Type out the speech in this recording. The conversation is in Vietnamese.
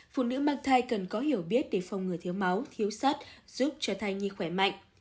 phụ nữ mang thai cần có hiểu biết để phòng ngừa thiếu máu thiếu sát giúp cho thai nhi khỏe mạnh